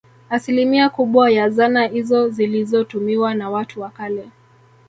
Asilimia kubwa ya zana izo zilizotumiwa na watu wa kale